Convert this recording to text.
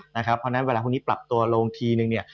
เพราะฉะนั้นเวลาพวกนี้ปรับตัวลงทีนึงเนี่ย